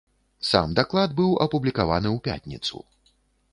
Сам даклад быў апублікаваны ў пятніцу.